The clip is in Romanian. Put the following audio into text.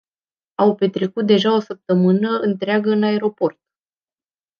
Au petrecut deja o săptămână întreagă în aeroport.